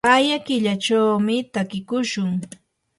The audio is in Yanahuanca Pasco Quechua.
aya killachawmi takiykushun.